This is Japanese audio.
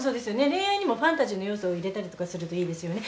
恋愛にもファンタジーの要素を入れたりとかするといいですよね？